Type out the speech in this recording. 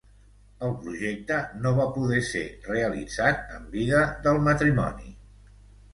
El projecte no va poder ser realitzat en vida del matrimoni.